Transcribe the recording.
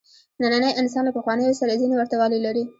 نننی انسان له پخوانیو سره ځینې ورته والي لري.